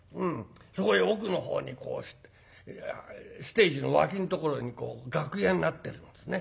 そこへ奥のほうにこうステージの脇んところに楽屋になってるんですね。